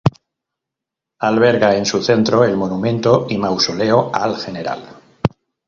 Alberga en su centro el monumento y mausoleo al Gral.